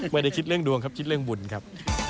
ไม่ได้คิดเรื่องดวงครับคิดเรื่องบุญครับ